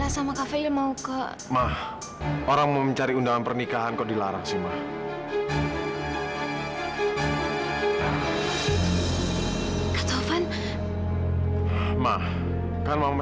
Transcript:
sampai jumpa di video selanjutnya